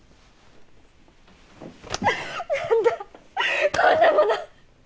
何だこんなもの！